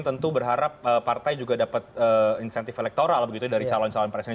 tentu berharap partai juga dapat insentif elektoral begitu dari calon calon presiden